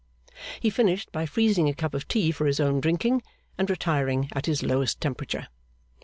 He finished by freezing a cup of tea for his own drinking, and retiring at his lowest temperature.